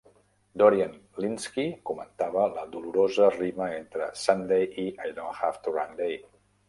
Dorian Lynskey comentava la dolorosa rima entre "Sunday" i "I-don't-have-to-run-day".